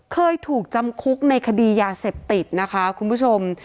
เคยถูกจำคุกในคดียาเสพติดนะคะคุณผู้ชม